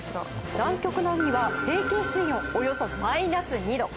南極の海は平均水温およそマイナス２度。